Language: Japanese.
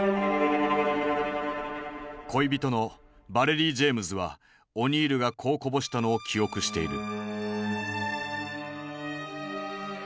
恋人のヴァレリー・ジェームズはオニールがこうこぼしたのを記憶している。